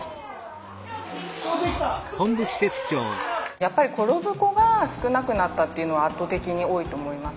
やっぱり転ぶ子が少なくなったというのは圧倒的に多いと思います。